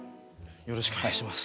よろしくお願いします。